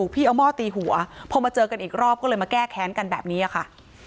พอมาเจอกันอีกรอบก็เลยมาแก้แค้นกันแบบนี้ค่ะ